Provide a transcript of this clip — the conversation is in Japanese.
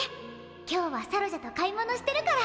今日はサロジャと買い物してるから。